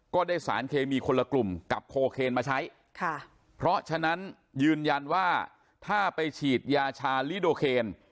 ก็ได้สารเคมีคนละกลุ่มกับโคเคนมาใช้ค่ะเพราะฉะนั้นยืนยันว่าถ้าไปฉีดยาชาลิโดเคน